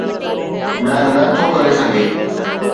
نه، نه ٿو ڪري سگھجي.